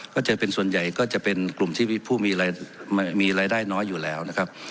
ก็จะเป็นส่วนใหญ่ก็จะเป็นกลุ่มที่มีผู้มีรายได้น้อยอยู่แล้วนะครับ